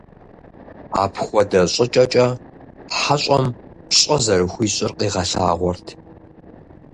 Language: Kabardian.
Апхуэдэ щӀыкӀэкӀэ хьэщӀэм пщӀэ зэрыхуищӀыр къигъэлъагъуэрт.